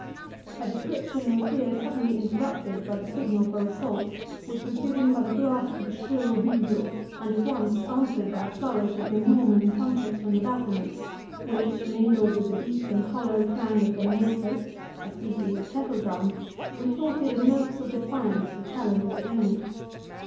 Her description was here suddenly interrupted by the signal for assault, which was given by the blast of a shrill bugle, and at once answered by a flourish of the Norman trumpets from the battlements, which, mingled with the deep and hollow clang of the nakers, (a species of kettle drum,) retorted in notes of defiance the challenge of the enemy.